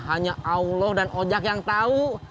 hanya allah dan ojak yang tahu